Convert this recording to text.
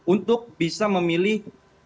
untuk bisa memilih